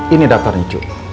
ini daftarnya cu